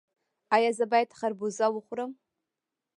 ایا زه باید خربوزه وخورم؟